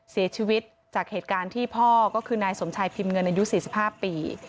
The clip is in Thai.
เสียชีวิตจากเหตุการณ์ที่พ่อก็คือนายสมชายพิมพ์เงินอายุ๔๕ปี